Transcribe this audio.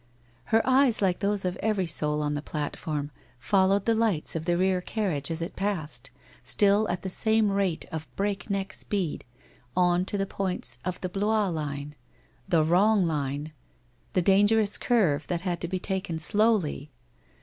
Her eyes, like those of every soul on the platform, fol lowed the lights of the rear carriage as it passed, still at the same rate of breakneck speed, on to the points of the Blois WHITE ROSE OF WEARY LEAF 235 line — the wrong line — the dangerous curve, that had to be taken slowly.